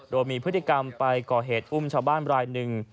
โดยมีพฤติกรรมไปก่อเหตุอุ้มชาวบ้านรายหนึ่ง